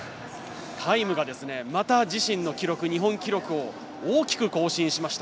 タイムがまた自身の記録、日本記録を大きく更新しました。